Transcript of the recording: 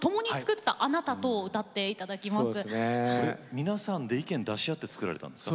皆さんで意見出し合って作られたんですか？